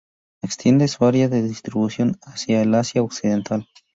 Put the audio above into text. Extiende su área de distribución hacia el Asia Occidental.